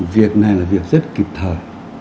việc này là việc rất kịp thời